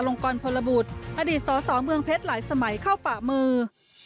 ลงกรพลบุตรอดีตสสเมืองเพชรหลายสมัยเข้าป่ามือ